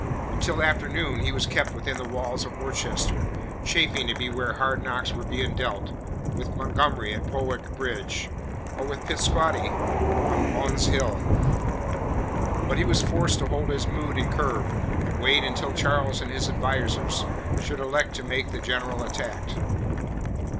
Until afternoon he was kept within the walls of Worcester, chafing to be where hard knocks were being dealt with Montgomery at Powick Bridge, or with Pittscottie on Bunn's Hill. But he was forced to hold his mood in curb, and wait until Charles and his advisers should elect to make the general attack.